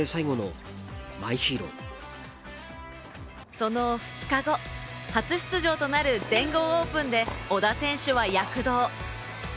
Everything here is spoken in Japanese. その２日後、初出場となる全豪オープンで小田選手は躍動。